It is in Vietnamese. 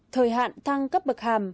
thời hạn thăng cấp bậc hàm